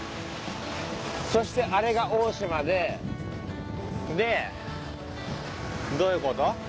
そしてあれが大島ででどういう事？